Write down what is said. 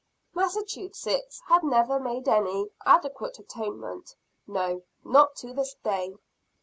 Massachusetts has never made any, adequate atonement no, not to this day!